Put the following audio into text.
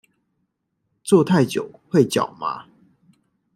坐太久會腳麻